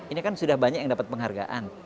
ini kan sudah banyak yang dapat penghargaan